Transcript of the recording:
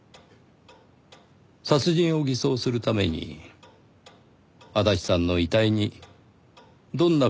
殺人を偽装するために足立さんの遺体にどんな工作をしましたか？